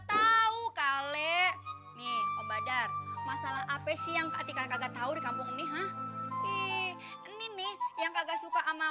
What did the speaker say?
tahu kale obadar masalah apa sih yang kaki kagak tahu di kampung nih hah ini yang kagak suka ama